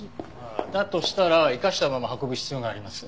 ああだとしたら生かしたまま運ぶ必要があります。